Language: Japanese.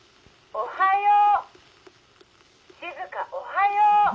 おはよう！」。